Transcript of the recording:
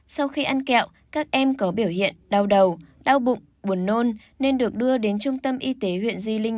sau khi ăn kẹo các em có biểu hiện đau đầu đau bụng buồn nôn nên được đưa đến trung tâm y tế huyện di linh